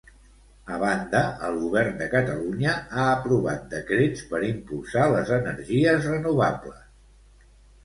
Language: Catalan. A banda, el Govern de Catalunya ha aprovat decrets per impulsar les energies renovables.